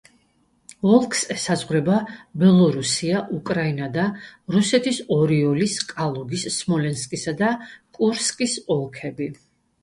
ოლქს ესაზღვრება ბელორუსია, უკრაინა და რუსეთის ორიოლის, კალუგის, სმოლენსკისა და კურსკის ოლქები.